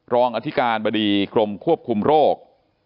รองอธิการบดีกรมควบคุมโรค